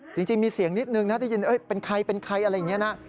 จริงมีเสียงนิดหนึ่งได้ยินเป็นใครอะไรอย่างนี้